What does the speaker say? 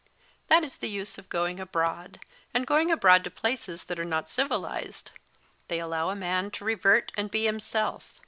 That is the use of going abroad, and going abroad to places that are not civilised. They allow a man to revert and be himself.